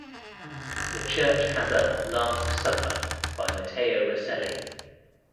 The church has a "Last Supper" by Matteo Rosselli.